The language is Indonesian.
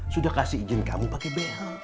sudah kasih izin kamu pakai bh